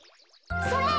それ！